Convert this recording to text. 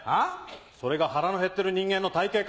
それが腹のへってる人間の体形か。